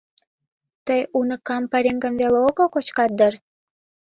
Тый, уныкам, пареҥгым веле огыл кочкат дыр?